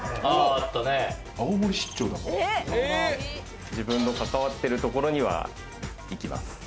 青森出自分の関わっているところには行きます。